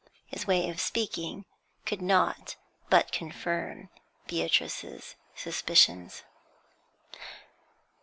His way of speaking could not but confirm Beatrice's suspicions.